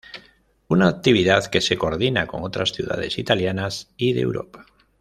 Una actividad que se coordina con otras ciudades italianas y de Europa.